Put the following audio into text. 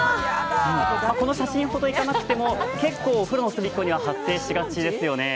この写真ほどいかなくても結構、お風呂の隅っこには発生しがちですよね。